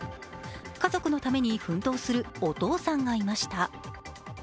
家族のために奮闘するお父さんがいました。